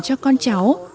cho con cháu